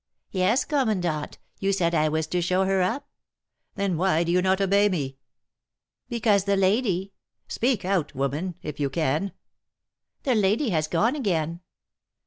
'Yes, commandant; you said I was to show her up.' 'Then why do you not obey me?' 'Because the lady ' 'Speak out, woman, if you can!' 'The lady has gone again.'